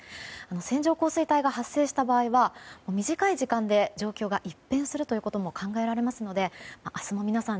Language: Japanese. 線状降水帯が発生した場合は短い時間で状況が一変するということも考えられますので明日も皆さん